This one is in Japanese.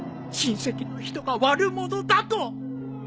親戚の人が悪者だと